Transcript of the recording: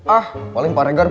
ah paling pak regar beneran